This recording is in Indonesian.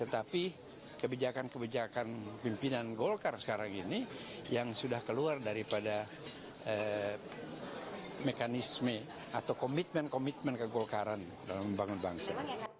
tetapi kebijakan kebijakan pimpinan golkar sekarang ini yang sudah keluar daripada mekanisme atau komitmen komitmen ke golkaran dalam membangun bangsa